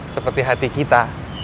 seperti hati kita